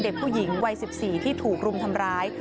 เด็กผู้หญิงวัย๑๔ที่ถูกรุมทำร้าย